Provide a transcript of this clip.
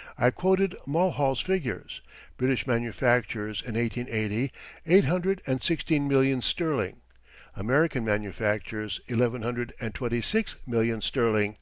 ] I quoted Mulhall's figures: British manufactures in 1880, eight hundred and sixteen millions sterling; American manufactures eleven hundred and twenty six millions sterling.